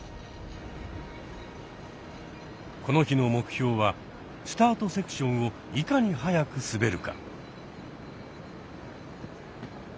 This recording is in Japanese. この日の目標はスタートセクションをいかに速く滑るか。